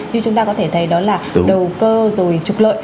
như chúng ta có thể thấy đó là đầu cơ rồi trục lợi